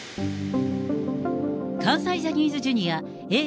関西ジャニーズＪｒ．Ａぇ！